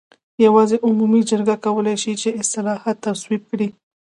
یوازې عمومي جرګه کولای شي چې اصلاحات تصویب کړي.